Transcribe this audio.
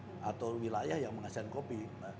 beberapa jenis atau wilayah yang menghasilkan kopi